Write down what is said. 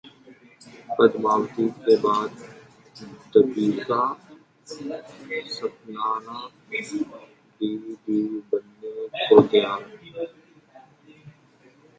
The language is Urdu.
پدماوتی کے بعد دپیکا سپننا دی دی بننے کو تیار